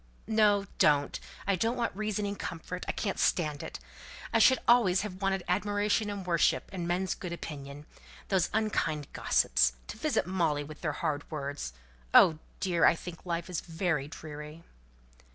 No, don't! I don't want reasoning comfort. I can't stand it. I should always have wanted admiration and worship, and men's good opinion. Those unkind gossips! To visit Molly with their hard words! Oh, dear! I think life is very dreary."